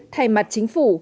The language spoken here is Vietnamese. thay mặt chính phủ